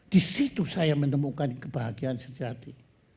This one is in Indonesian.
disitu saya menemukan kebahagiaan sejati